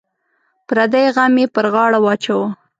پردی غم یې پر غاړه واچوه.